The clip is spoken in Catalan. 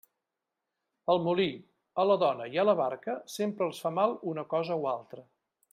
Al molí, a la dona i a la barca, sempre els fa mal una cosa o altra.